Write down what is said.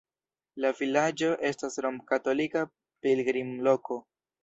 La vilaĝo estas romkatolika pilgrimloko.